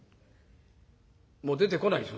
もう出てこないです